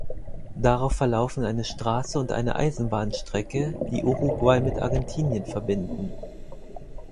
Darauf verlaufen eine Straße und eine Eisenbahnstrecke, die Uruguay mit Argentinien verbinden.